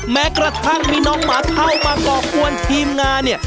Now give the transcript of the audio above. มีน้องหมาเข้ามาก็กวนทีมงานเนี่ย